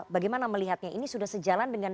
bagaimana melihatnya ini sudah sejalan dengan